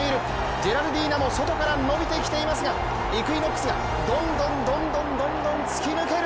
ジェラルディーナも外から伸びてきていますがイクイノックスがどんどん突き抜ける！